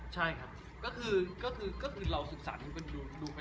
ใช่ครับก็คือเราศึกษาดูไปเรื่อย